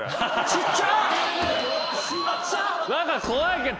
ちっちゃ！